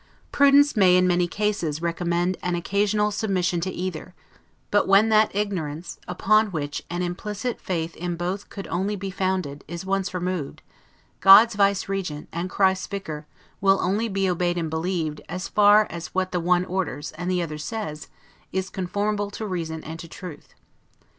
Prudence may, in many cases, recommend an occasional submission to either; but when that ignorance, upon which an implicit faith in both could only be founded, is once removed, God's Vicegerent, and Christ's Vicar, will only be obeyed and believed, as far as what the one orders, and the other says, is conformable to reason and to truth.